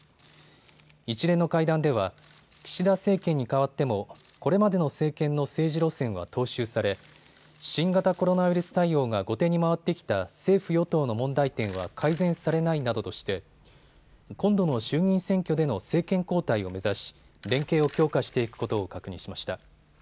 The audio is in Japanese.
一連の会談では岸田政権にかわってもこれまでの政権の政治路線は踏襲され新型コロナウイルス対応が後手に回ってきた政府与党の問題点は改善されないなどとして今度の衆議院選挙での政権交代を目指し連携を強化していくことを確認しました。